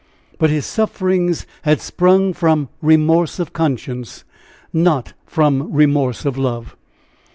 But his sufferings had sprung from remorse of conscience, not from remorse of love.